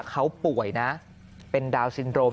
เขาป่วยนะเป็นดาวนซินโรม